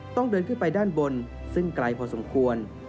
ต้องเดินขึ้นไปด้านบนซึ่งไกลพอสมควร